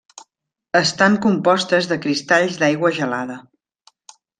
Estan compostes de cristalls d'aigua gelada.